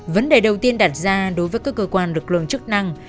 vấn đề đầu tiên đặt ra đối với các cơ quan lực lượng chức năng